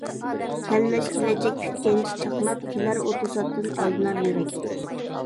كەلمەس كېلەچەك كۈتكەنچە چاقناپ، كېلەر ئۇ توساتتىن، ئالدىنار يۈرەك.